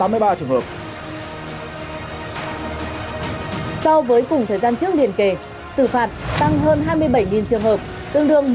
so với cùng thời gian trước liên kể xử phạt tăng hơn hai mươi bảy trường hợp tương đương một trăm ba mươi bốn